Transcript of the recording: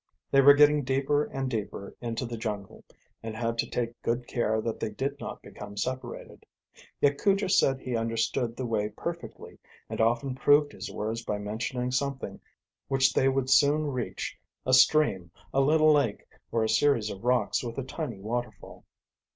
They were getting deeper and deeper into the jungle and had to take good care that they did not become separated. Yet Cujo said he understood the way perfectly and often proved his words by mentioning something which they would soon reach, a stream, a little lake, or a series of rocks with a tiny waterfall.